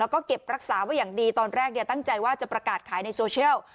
แล้วก็เก็บรักษาไว้อย่างดีตอนแรกตั้งใจว่าจะประกาศขายในโซเชียล